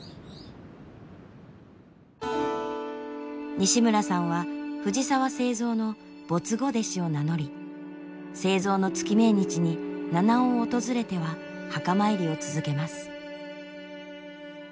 西村さんは藤澤造の「歿後弟子」を名乗り造の月命日に七尾を訪れては墓参りを続けます。